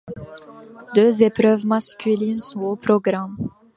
Deux épreuves masculines sont au programme.